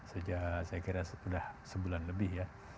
sejak saya kira sudah sebulan lebih ya